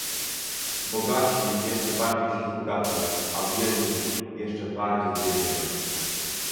Bogaci jeszcze bardziej się wzbogacą a biedni jeszcze bardziej zbiednieją